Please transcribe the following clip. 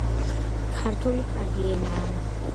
ქართული კარგი ენაა.